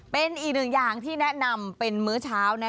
เป็นอีกหนึ่งอย่างที่แนะนำเป็นมื้อเช้า